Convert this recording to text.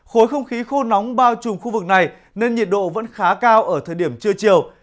khối không khí khô nóng bao trùm khu vực này nên nhiệt độ vẫn khá cao ở thời điểm trưa chiều